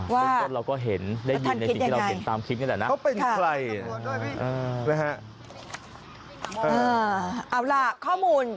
ว่าท่านคิดยังไง